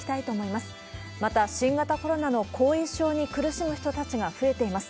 また、新型コロナの後遺症に苦しむ人たちが増えています。